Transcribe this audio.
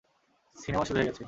Cinema শুরু হয়ে গেছে।